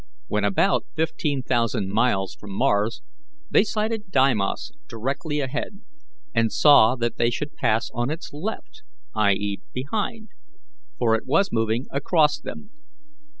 When about fifteen thousand miles from Mars, they sighted Deimos directly ahead, and saw that they should pass on its left i. e., behind for it was moving across them.